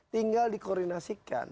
tinggal di koordinasikan